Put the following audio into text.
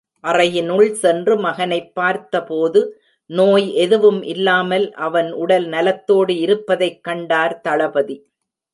அறையினுள் சென்று மகனைப் பார்த்த போது, நோய் எதுவும் இல்லாமல் அவன் உடல் நலத்தோடு இருப்பதைக் கண்டார் தளபதி.